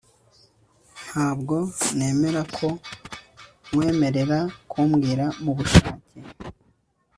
Ntabwo nemera ko nkwemerera kumbwira mubushake